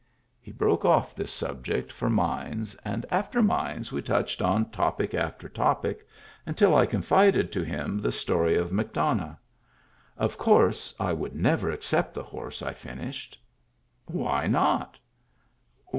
We broke oflf this subject for mines, and after mines we touched on topic after topic, until I confided to him the story of McDonough. "Of course I would never accept the horse," I finished. "Why not?"